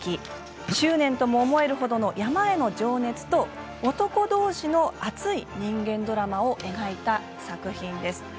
執念とも思えるほどの山への情熱と男どうしの熱い人間ドラマを描いた作品です。